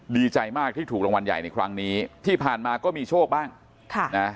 ดีใจมากที่ถูกรางวัลใหญ่ในครั้งนี้ที่ผ่านมาก็มีโชคบ้างค่ะนะ